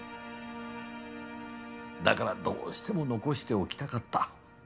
だからどうしても残しておきたかった。